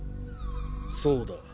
そうだ。